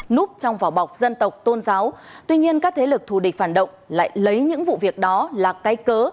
núp trong vỏ bọc dân tộc tôn giáo tuy nhiên các thế lực thù địch phản động lại lấy những vụ việc đó là cái cớ